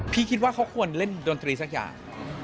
คิดว่าเขาควรเล่นดนตรีสักอย่าง